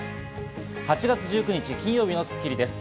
８月１９日、金曜日の『スッキリ』です。